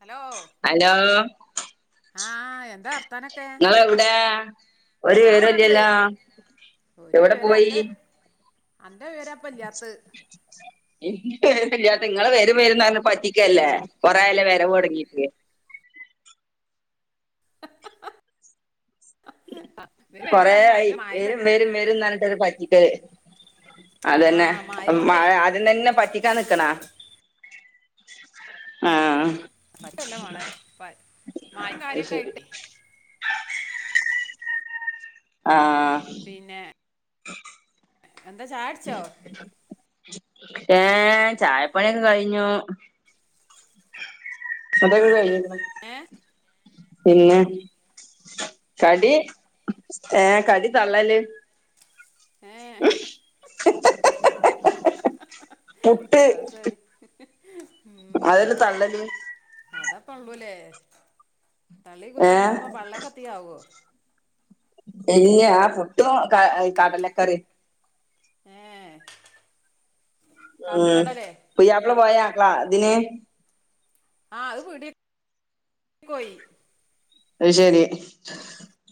Hello hello ആ എന്താ ർ ങ്ങൾ എവിടെയാ ഒരു ഞാൻ വിവരോം ഇവിടെണ്ട് ഇല്ലല്ലോ. ഒരു വിവര അന്റെ അന്റെ വിവരാ ഇപ്പ ഇല്ലാത്തത് [unintelligible] നിങ്ങള് വരും വരും പറഞ്ഞ് പറ്റിക്കല്ലേ കൊറെയാല വരവ് തുടങ്ങീട്ട് ഇവര് പേര് കൊറെ പറഞ്ഞ ആയി അവന് മായ വരും വരും വരും റഞ്ഞിട്ടൊരു പറ്റിക്കല് ആ അതന്നെ മായ മ കൊണ്ടേ അ ആദ്യം തന്നെ പറ്റിക്കാൻ നിക്കണ ആ പല്ല് ല്ല മാളെ മായ അത് കാര്യൊക്കെ ശരി ആയിട്ട് ആ പിന്നെ എന്താ ചായടിച്ചോ ഏ ചായപ്പണിയൊക്കെ കഴിഞ്ഞു അതൊക്കെ കഴിഞ്ഞ്ക്ക്‌ണ് ഏ പിന്നെ കടി ഏ കടി തള്ളല് ഏ ഹ്ഹ ഹ്ഹ ഹ്ഹ ഹ ഹ ഹ അത് സരി അതൊരു തള്ളല് അതപ്പ ഉള്ളൂല്ലേ തളി കുത്തിർന്നപ്പോ ഏ വള്ള കത്തിയാവോ ഇല്ലാ പുട്ടും ക ക കടലക്കറിയും ഏ ഉം കാപ്പിക്കടലേ പുയിആപ്ല പോയാ ആക്കളാ ഇതിന് ആ അത് വീട്ടി പോയി അത് ശെരി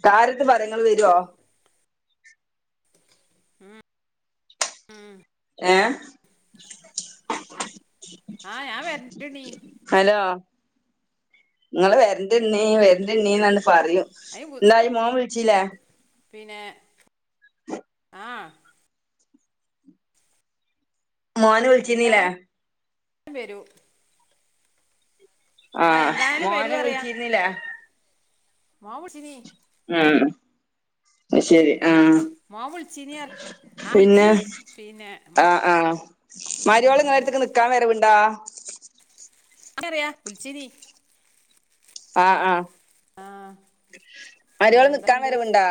കാര്ത്ത് പരങ്ങള് വരുവോ ഉം ഉം ഏ ആഹ് ഞാൻ വരണ്ട് ണ്ണി നിങ്ങള് വരണ്ട് ഇണ്ണീ വരണ്ട് ഇണ്ണീ എന്നട് പറയും അ എന്തായി മോൻ വി ച്ചിലേ പിന്നെ ആ മോന് വിളിച്ചിരുന്നില്ലേ എന്തായാലും വരൂ ആ ആഹ് എന്തായാലും വരൂ മോനെ അറിയാ വിളിച്ചിരുന്നില്ലേ മോ വിളിച്ചിന് ഉം ശരി ആ മോൻ വിളിചീനിയർ [unintelligible] ആ പിന്നെ വിള്ച്ചി പിന്നെ മൊ മരുഓള് ഇങ്ങളട്ത്ത്ക്ക് നിക്കാൻ വരവുണ്ടാ അവ്ടറിയാ വിളിച്ചീനി ആഹ ആഹ പിന്നെ മരോള് നിക്കാൻ എന്താണ്ട് വരുവ്ണ്ടാ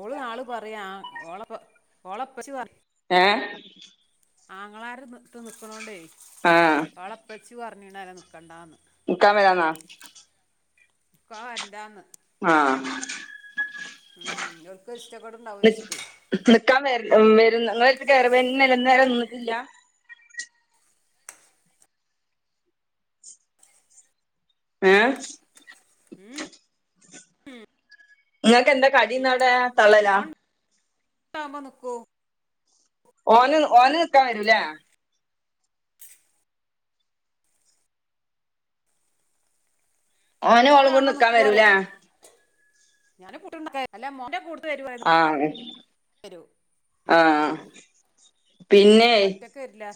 ഓള് നാള് പറയാ ഓളപ്പ ഓളപ്പച്ചി പറ ഏ ആങ്ങളാര് ന്നട്ട് നിക്കണോണ്ടേ ആ ഓളപ്പച്ചു പറ ഞ്ഞീണാലെ നിക്കണ്ടാന്ന് നിക്കാവെരാന്നാ ഇക്കൊ വെരണ്ടാന്ന് ആ ഉം ഓൽക്കൊര് ഇഷ്ടക്കേടോണ്ടാവു വച്ചിട്ട് ഉം വരുംന്ന് ഇങ്ങളിപ്പൊ [unintelligible] നിന്നിട്ടില്ല്യ ഏ ഉം ഇങ്ങക്ക് എന്താ കടിന്നവടെ തള്ളലാ [unintelligible] മ്പോനിക്കൂ ഓന് ഓന് നിക്കാൻ വരൂല്ലേ ഓന് ഓളും കൂടി നിക്കാൻ വരൂലേ ഞാനു കൂട്ട്ണ്ടൊക്കേ അല്ല മോൻ്റെ കൂട ആണ് ആ ഓളൊറ്റക്കെരില്ല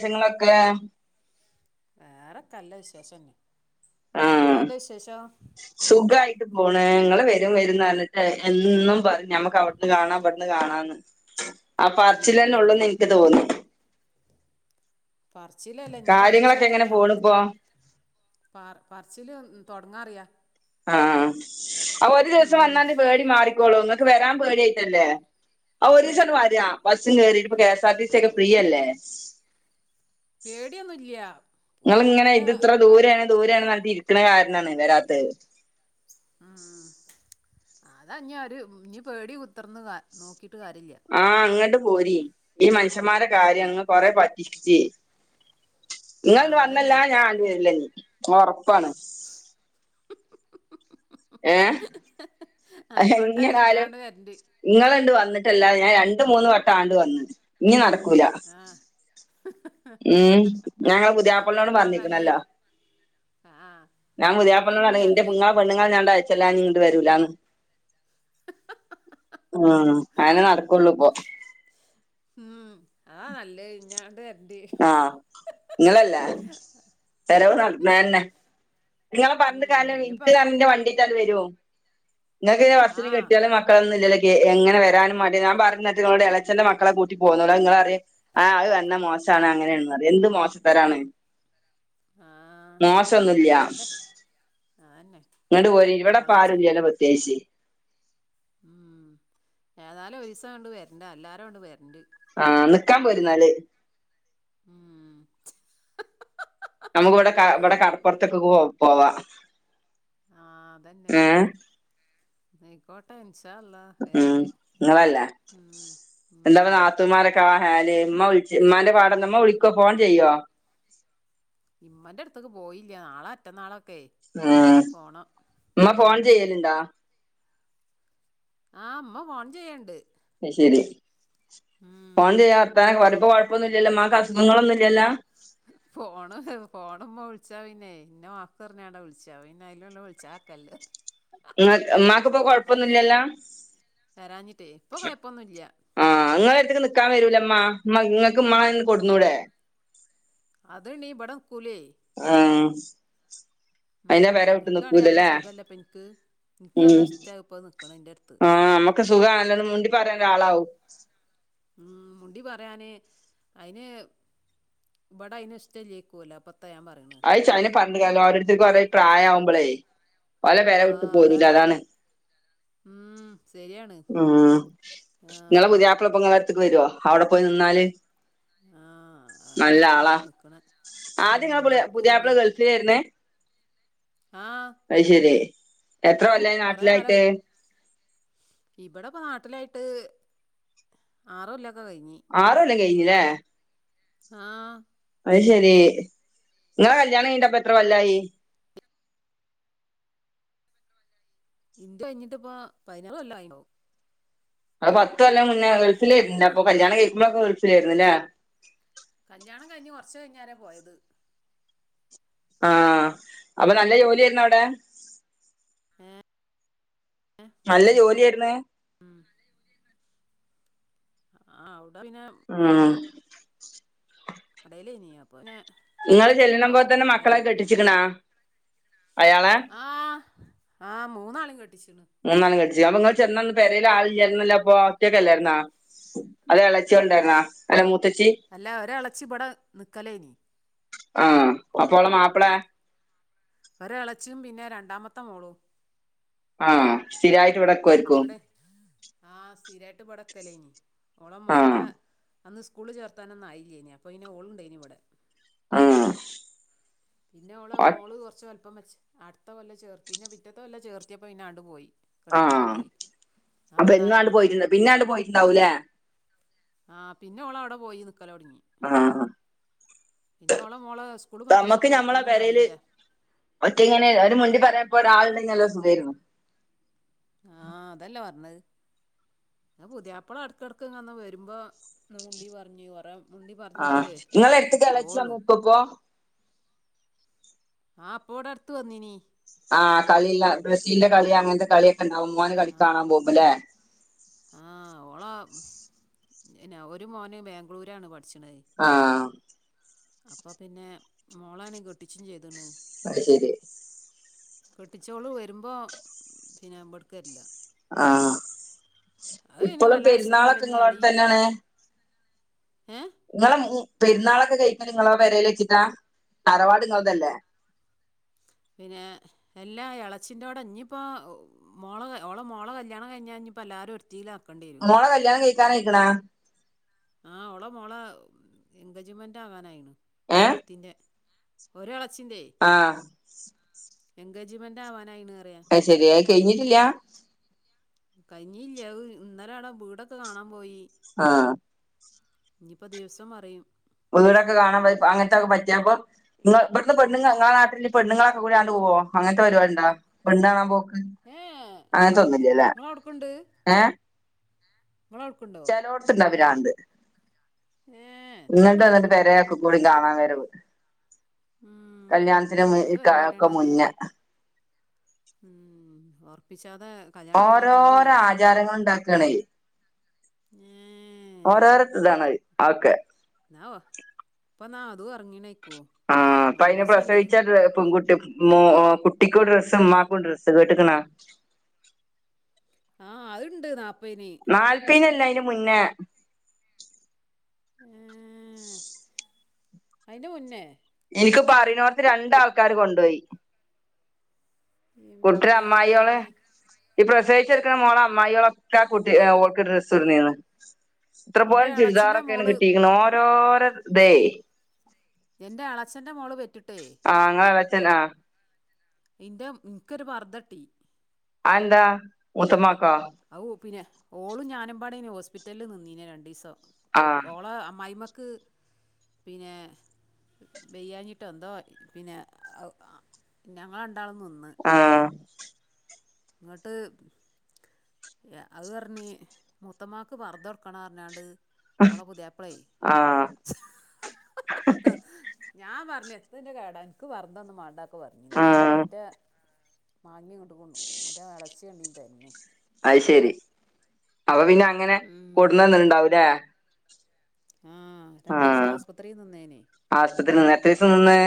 [unintelligible] ങ്ങളൊക്കെ വേറൊക്കല്ല വിശേഷന്നെ എന്താന്റെ വിശേഷോ ങ്ങട്ട് പോണ് ങ്ങള് വരും വരുന്നറഞ്ഞിട്ട് എന്നും പറയും ഞമ്മക്ക് അവട്ന്ന് കാണാം ഇവിട്ന്ന് കാണാംന്ന്. ആ ഉം പർച്ചിലെന്നൊള്ളൂന്ന് എനിക്ക് തോന്നി പറച്ചിലെല്ലനി കാര്യങ്ങളൊക്കെ എങ്ങനെ പറച്ചിലെന്നെ അമ്മക്ക് പോണിപ്പോ പാറ് പറച്ചില് തൊ ടങ്ങാറിയാ ആഹ അപ്പൊ ഒരു ദിവസം ഉം വന്നാണ്ട് പേടി മാറിക്കോളൂ ഇങ്ങക്ക് വരാൻ പേടിയായിട്ടല്ലേ ആ ഒരിസങ്ങ് വാരാ ബസ്സില് കേറിട്ട് ഇപ്പ K S R T C ഒക്കെ ഫ്രീയല്ലേ പേടിയൊന്നുല്ല്യ ഇങ്ങളിങ്ങനെ ഇത് ഇത്ര ദൂരാണ് ദൂരാണ്ന്നറിഞ്ഞിട്ട് ഇരിക്ക്ണെ കാരണാണ് വരാത്തേ [inaudible] അതഞ്ഞാര് ഇനി പേടി കുത്തിർന്ന് നോക്കിട്ട് കാര്യല്ല ആങ്ങട്ട് പോരി ഈ മനുഷ്യന്മാരെ ഉം കാര്യാണ് ഇങ്ങ് കൊറെ പറ്റിച്ച് ആഹ് ഇങ്ങള്ന്ന് അതന്നെ വന്നല്ല ഞാൻണ്ട് വരില്ലനി ഒറപ്പാണ്. ഏ അ ആയിക്കോട്ടെ എങ്ങനാലും ഞാണ്ട് വരണ്ട് ഇങ്ങള്ണ്ട് വന്നി ല്ലാ ഞാൻ രണ്ട മൂന്ന് വട്ട ആണ്ട് വന്ന് ഇനി നടക്കൂല ആഹ് ഉം ഞാങ്ങളെ പുതിയാപ്പൾനോടും അതാ പറഞ്ഞിക്കണല്ലോ നല്ലത് ആഹ് ഞാൻ അതാ ഇഞ്ഞ് പുതിയാപ്പൾനോടറഞ്ഞ് ഇന്റെ നല്ല് ഇങ്ങളെ പെണ്ണുങ്ങൾഞാണ്ട് അയച്ചല്ലാ ഇങ്ങട്ട് വരൂലാന്ന്. ഉം അങ്ങനെ നടക്കുള്ളൂ ഇപ്പൊ ആഹ നല്ലെ ഇഞാണ്ട് വെര ആ ഇങ്ങളല്ലേ ചെലവ് നടന്നന്നെ ഇങ്ങളെ പറഞ്ഞ്ട്ട് ഉം കാലം ഇഞ്ഞിപ്പ ഇന്ക്ക്താ ഇന്റെ വണ്ടിക്കണ്ട് വെരും ഇങ്ങക്ക് വസ്സിന് ആഹ് കെട്ട്യോനും മക്കളൊന്നു ഇല്ലല്ലൊക്കി എങ്ങനെ വരാനും മടി ഞാൻ പറഞ്ഞത്ങ്ങളോട് എളേച്ചഛന്റെ മക്കളെ കൂ ട്ടി പോന്നോള അയിങ്ങളറിയ ആ അത് വന്ന മോശാണ് അങ്ങനെയാണ്ന്നറിയ എന്ത് മോശത്തരാണ്. ആഹ് മോശൊന്നുല്ല്യ എളച്ചന്റെ അതന്നെ ഇങ്ങട്ട് പോരി ഇവിടപ്പൊ എളച്ചൻ ആരൂല്ല്യല്ലോ പ്രത്യേയിച്ച് ഉം ഏതാലു ഒരിസങ്ങട്ട് വരണ്ട് എല്ലാരുംണ്ട് വരണ്ട്. ആ നിക്കാൻ പോര്ന്നാല് ഉം നമുക്ക് ഇവിടെ ക ഇവിടെ കടപ്പുറത്തേക്ക പോ പോവാ ആഏ ആയ്കോട്ടെ ഉം നിങ്ങളല്ലേ ഉം എന്താ ഉം പറ നാത്തൂമാരൊക്കെ ഹാല് ഉമ്മവിളിച്ച ഉമ്മാന്റെ പാടന്താ വിളിക്കുവ ഫോൺ ചെയ്യോ ഇമ്മന്റെ അടുത്തേക്ക് പോയില്ല നാളെ മറ്റന്നാളോ ഉ ഉമ്മ ഫോൺ ഉം ചെയ്യലുണ്ടാ ആ മ്മ ഫോൺ ചെയ്യണ്ട് ശരി ഉം ഫോൺ ചെയ്യ അര്താനൊക്കെപറയോ പ്പോ കൊഴപ്പൊന്നുംല്ലല്ലോ മാക്ക്‌ അസുഖങ്ങളൊന്നുംല്ലല്ല പോണ പോണമ്മോ വിളിച്ചാ പിന്നെ ഇന്ന വക്ക്റിഞ്ഞാടാ വിളിച്ചാ പിന്നെ അതിലല്ല വിളിച്ച ആക്കല്ല മാക്കിപ്പോൊ കൊഴപ്പൊന്നുമല്ലല്ലോ വരാഞ്ഞിട്ടേ ഇപ്പൊ കൊഴപ്പൊന്നുമല്ല നി ക്കാൻ വരൂലമ്മ മ നിങ്ങക്ക് മ്മാനെ ന്ന് കൊടന്നൂടെ അത്ണീ ബട ക്കൂലേ [unintelligible] ഉം അയിന്റെ പെര വിട്ട് ന്കയറിയ നല്ല നിക്കൂലല്ലേ സുഖല്ലപ്പ എനിക്ക് എനിക്ക് ഉം നല്ല ഇഷ്ടമായി ഇപ്പൊ നിക്കണ എൻ്റെ അടുത്ത് ആഹ നമ്മുക്ക് സുഖമാണല്ലോന്ന് മുണ്ടി പറയേൻരാളാവും അ ഉം മുണ്ടി പറയാാന് അതിന് വ്ടെ അയ്ൻ ഇഷ്ടം ല്ലേയ്ക്കും അല്ലാ പ്പത്താ ഞാൻ പറയണ് പറഞ്ഞ ട്ട് കാര്യമില്ലാഓരോരുത്തരും കൊറെ പ്രായം ആവുമ്പോളേ പെര ആ വിട്ട് പോരൂല അതാടേ അതാണ് ഉം ശരിയാണ് ഉം ആഹ വരുവോ അവിടെ പോയി നിന്നാല് ആഹ നല്ല ആളാ നിക്കണ ഉ പുതിയാപ്ല ഗൾഫിലായിരുന്നെ ആ അത്‌ ശെരി എത്ര കൊല്ലായി നാട്ടിൽ കൊറേ ആയിട്ട് കാലം ട്ട് ആറു കൊല്ലം ആർ കൊല്ലം കയിഞ്ഞുലെ ആഹ അ ത് ശെരി നിങ്ങളെ കല്യാണം കഴിഞ്ഞിട്ടു പ്പോ എത്രകൊല്ലായി [inaudible] ന്റെ കൈഞട്ട് പ്പോ പതിനാറു കൊല്ലയീണ്ടാവും അപ്പ പത് കൊല്ലംമുന്നേ ഗൾഫിലായിരുന്നുലെ അപ്പൊ കല്യാണം കഴിക്കുമ്പൊക്കെ ഗൾഫില ആയിുന്നല്ലേ കഴിഞ്ഞു കുറച്ചു കയിഞ്ഞേരെ പോയത് ആഹ അപ്പൊ നല്ല ജോലി ആർന്നു അവിടെ ം നല്ല ജോലിയായിരുന്നു ആഹ് അവി ആഹ കടയിലേനി അപ്പൊ പിന്നെ നിങ്ങള് അയിന് ചെല്ലണ പിന്നെ പോ ത ന്നെ അയില് മക്കളെഒക്കെ കെട്ടിച്ചിക്കണാ അയാള ആഹ് മൂന്നാളും കെട്ടി മൂന്നാണ് കെട്ടിച്ചീന് അപ്പൊ നിങ്ങൾ ചെന്നന്ന് പരയില ആളില്ലല്ലരുന്നല്ല അപ്പൊ ഒറ്റയൊക്കെ അല്ലായിരുന്നാ അത് ഇളച്ചി ഉണ്ടായിുന്ന അ അല്ല ഒരേലച്ചി ബടെ നിക്കളെനി ഇനി ആഹ അപ്പോ ഓളെ മാപ്പിള ഒ ഇളച്ചിയും പിന്നെ രണ്ടാമത്തെ മോളു ആഹ. സ്ഥിരായിട്ട് ഇവിടെ. ഇവിടെ ആഹ സ്ഥിരായിട്ട്, ഇവിടെ നിക്കലയ്നി. ഓളെ മോളെ ആഹ് അന്ന് സ്കൂൾള് ചേർത്താനൊന്നായില്ലേനി. അപ്പോയ്നി. ഓളുണ്ടയ്നി ഇവിടെ. ആഹ പിന്നെ ഓളെ മോള് കുറച്ച്, വലുപ്പം, വെച്ച്, അടുത്ത കൊല്ല ചേർ പിന്നെ പിറ്റത്തെ കെല്ല ചേർത്തിയപ്പ പിന്നെങ്ങട്ട് പോയി. ആഹ. കെട്ടിച്ചോടത്തേക്കേ ആ അപ്പൊ വന്നാരേ എന്നാണ്ട് പോയിട്ടുണ്ട പിന്നൊണ്ട് പോയിട്ടുണ്ടാവലേ. ആഹ. പിന്നെ ഓള് അവിടെ പോയി നിക്കലോടങ്ങി. ആഹ് പിന്നെ. ഓള മോള സ്കൂള് മദ്രസും ചേർത്താനൊന്നായില്ല ഒറ്റ ഇങ്ങനെ, ഒരു മുണ്ടി പറയപ്പോ ഒരാളുണ്ടെങ്കിൽ, നല്ല സുഖയിരുന്നു. ആഹ. അതല്ലേ പറഞ്ഞ. [unintelligible] പുതിയപ ളഎടക്ക്‌ എടക്ക്‌വരുമ്പോ മുണ്ടി പറഞ്ഞ് ആഹ്. നിങ്ങള എടുത്ത്ളച്ചി വന്നിക്കപ്പോ? ആ, പ്പോവിടെ അടുത്തു വന്നിനീ. ആഹ്. കളില്ല ബ്രസീലിന്റെ കളി അങ്ങനത്തെ കളി [unintelligible] കളി, ആ കാണാൻ പോവുമ്പല്ലേ. ആ ആ ഓള ഒരു മോന് ബാംഗ്ലൂരാണ് പണി. ആഹ അപ്പൊ പിന്നെ മോളാണെ കെട്ടിട്ടിച്ചും. ചെയ്ത്‌ണ് ആഹ. ശരി കെട്ടിച്ചോള് വരുമ്പോ. പിന്നെ മ്പടുക്ക് രില്ല. ആഹ. പിന്നെ ഇപ്പോളും വല്ല ഇല്ലല്ലോ പെരുന്നാളൊക്കെ. ഇനി ഇങ്ങളോടെ കളി തന്നെണ്? ഏ ഇങ്ങളെ, മു പെരുന്നാളൊക്കെ കഴിക്കൽ നിങ്ങളെ, പെരേല് വച്ചിട്ടാ തറവാട് നിങ്ങളതല്ലേ? പിന്നെ എല്ലാ ഇളച്ചിന്റെടെ ഇഞ്ഞപ്പോ മോള ഓള മോള കല്യാണം കഴിഞ്ഞ ഇപ്പം എല്ലരും ഒരുത്തി ലാ മോള കല്യാണം കഴിക്കാൻ അയിക്കണാ? ആ് ഓള മോള എൻഗേജ്മെന്റ് ആകാനായിണ് ഒരിത്തിന്റെ. ഒരാള ആഹ എൻഗെജമെൻ്റ് ആവാൻ അ ശെരി ആ കഴിഞ്ഞിട്ടില്ല? കഴിഞ്ഞില്ല ഹ് ഇന്നല അട വീടൊക്കെ കാണാൻ പോയി. ആഹ. ഇനിയിപ്പോ ദിവസം പറയും. വീടൊക്കെ കാണാൻ പോയി പാ അങ്ങനത്തെൊക്കെ പറ്റിയപ്പോ. നി ഇവിടുത്തെ പെണ്ണുങ്ങങ്ങള നാട്ടില് പെണ്ണങ്ങളൊക്കെ കൂടിണ്ട് പോകോ അങ്ങനത്തെ പരിപാടിണ്ടാ പെണ്ണ് കാണാൻ പോക്ക്. ഏ അങ്ങൻതൊന്നില്ലല്ലേ നിങ്ങളവിടക്കുണ്ട് ഏ നിങ്ങളവിടക്കുണ്ടോ ചെലോടുത്ത് ഉണ്ട് ആ പിരാന്ത് ഏ ഇങ്ങട്ട് എത്താണ് വന്നിട്ട് പെര ആക്കും. കൂടി കാണാൻ വരവ്. കല്യാണത്തിനും ഇത് നിക്കാഹിക്കു ഒക്കെ പരിപാടിയാണ് അത് മുന്നേ. ഉം, ഉറപ്പിച്ചാതെ കല്യാണം കഴിച്ചാതെ കണ്ടു ഓരോരോ പോവാ ആചാരങ്ങൾ ഉണ്ടാക്കണേ. മമ ഒരോരതാണ് ഒക്കെ. എന്നാവോ ഇപ്പൊ നാ അതും ഇറങ്ങീണ. ആ അപ്പ അയ്ന് പ്രസവിച്ചാല് പെൺകുട്ടി. മ കുട്ടിക്കും ഡ്രസ് ഉമ്മാക്കും ഡ്രസ്സ് കേട്ട്ക്ക്ണോ? ആ അത്ണ്ട് നാ നാൽയ്പ്പന്നല്ല അയ്ന് മുന്നേ. ഉം [inaudible] അയ്ന്റെ മുന്നേ എനിക്കിപ്പ പറന്നോടത്തെ രണ്ട് ആൾക്കാര് കൊണ്ടുപോയി. കൂട്ടരെ ഇമ്മേ അമ്മായിയൊള ഈ പ്രസവിച്ചു കെടക്ണ മോളെ അമ്മായിയോളെക്കെ ഓൾക്ക്ഡ്രസ്സ്‌ കോടന്നിനു. ഇത്ര എൻ്റെ പോലും ഇളച്ചിൻ്റെ ചുരിദാറൊക്കെയാണ് മോള് കിട്ടിയിരിക്കണ ഓരോരൊത. എന്റെ എളച്ചന്റെ മോള് പെറ്റിട്ടേ. തന്നെ ആ ഇന്റെ ഏക്കൊരു പർദ്ദ കിട്ടി. ആന്താ മൂത്തമ്മ ഔ പിന്നെ ഓളും ഞാനുമ്പാടെ ആയിന്ന ഹോസ്പിറ്റലിൽ നിന്നീനെ രണ്ടു ദിവസം. ഓ ആ ഓളെ അമ്മായിമ്മക്ക് പിന്നെ ബെയഞ്ഞിട്ട് എന്തോ പിന്നെ ഞങ്ങള് രണ്ടാളും നിന്ന്. ആ ഇങ്ങോട്ട് അത് പറഞ് മൂത്തമ്മക്ക് പർദ്ദടുക്കണ പറഞ്ഞാണ്ട് ഓളെ പുതിയാപ്പിളയീ ആ ഹ ഹ ഞാൻ പറഞ്ഞ എത്തതിന്റെ കേടാ എനിക്ക് പർദ്ദ ഒന്നും മാണ്ടക്കെ പറഞ്ഞു. ആ അയിറ്റ മാങ്ങി ഇങ്ങട്ട് കൊടുന്നു. ന്റെ ഇളച്ചി [unintelligible] അത് ശെരി അപ്പൊ പിന്നെ അങ്ങനെ ഉം. കൊടുന്നന്ന് ഇണ്ടാവൂലേ? ആ ആഹ രണ്ടീസം ആസ്പത്രിയിൽ നിന്നേനെ ആ ആശുപത്രിയിൽ നിന്ന് എത്ര ദീസം നിന്ന്?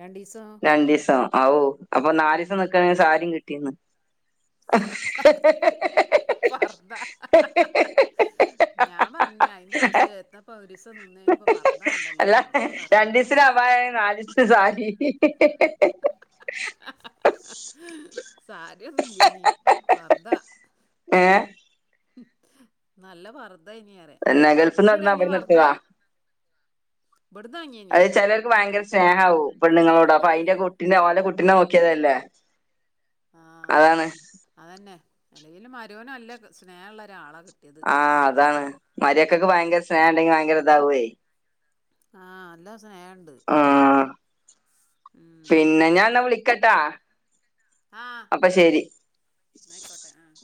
രണ്ടിസം. അഹൂ അപ്പൊ നാല് ദിവസം നിക്ക സാരി കിട്ടീന്ന്. ഹ ഹേ ഹ ഹേ പർദ്ദ ഹ ഹെ ഞാൻ പറഞ്ഞേ അതിന്റെ അവസ്യം എത്തപ്പോ ഒരുസം. ഹ ഹേ അല്ല പറഞ്ഞു ഞാന് രണ്ടീസതിന് അപായ നാലീസത്തിന് സാരി ഹ ഹേ. സരിയൊന്നുംഇല്ലെന്നു പർദ്ദ ഏ നല്ല പറ പിന്നെ ഗൾഫ്ന്ന് കൊടുന്നതാഇവിടന്ന് ഇടുത്തുകുനോ ഇവിടുന്ന് വാങ്ങിയേനി അത് ചിലർക്ക് ഭയങ്കര സ്നേഹ ആവും പെണ്ണുങ്ങളോട് അപ്പൊ അയിന്റെ കുട്ടീനെ അവന്റെ കുട്ടീനോക്കിയതല്ലേ അതാണ് അല്ലെങ്കിലും മരോന് അല്ല സ്നേഹള്ള ഒരാളാണ് കിട്ടി ആഹ അതാണ് മരിയക്കൊക്കെ ഭയങ്കര സ്നേഹം ഉണ്ടെങ്കി ഭയങ്കര ഇതാവു ആഹ എല്ലാ സ്നേഹണ്ട് പിന്നെ ഞാൻ എന്നാ വിളിക്കട്ടാ ആഹ അപ്പൊ ശരി യിക്കോട്ടെ ആഹ